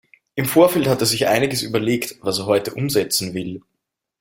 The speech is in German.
Im Vorfeld hat er sich einiges überlegt, was er heute umsetzen will.